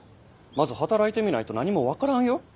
まず働いてみないと何も分からんよ。